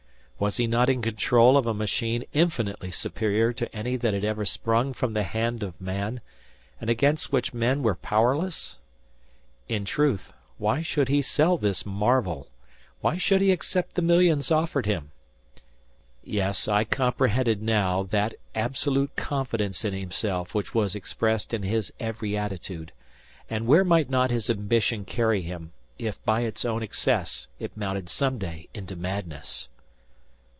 Was he not in control of a machine infinitely superior to any that had ever sprung from the hand of man, and against which men were powerless? In truth, why should he sell this marvel? Why should he accept the millions offered him? Yes, I comprehended now that absolute confidence in himself which was expressed in his every attitude. And where might not his ambition carry him, if by its own excess it mounted some day into madness!